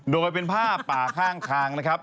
โดยเป็นผ้าป่าข้างทางนะครับ